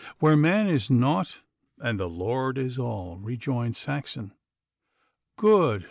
'Where man is nought and the Lord is all,' rejoined Saxon. 'Good!